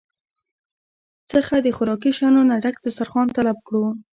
څخه د خوراکي شيانو نه ډک دستارخوان طلب کړو